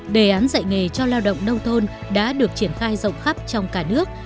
đề án dạy nghề cho lao động nông thôn đã được triển khai rộng khắp trong cả nước